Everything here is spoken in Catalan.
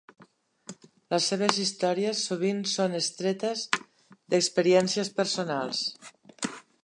Les seves històries sovint són extretes d'experiències personals.